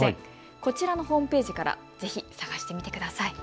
こちらのホームページからぜひ探してみてください。